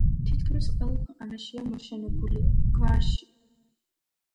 თითქმის ყველა ქვეყანაშია მოშენებული. გვარში